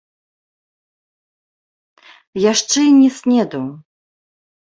Яшчэ й не снедаў.